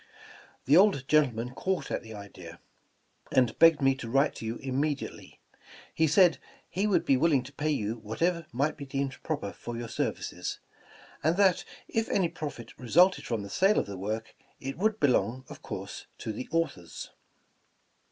The old gentleman caught at the idea, and begged me to write to vou immediate! v. He said he would be will ing to pay you whatever might be deemed proper for your services, and that, if any profit resulted from the sale of the work, it would belong, of course, to the authors.